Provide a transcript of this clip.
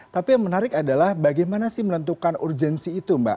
tapi yang menarik adalah bagaimana sih menentukan urgensi itu mbak